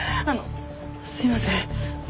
あのすいません。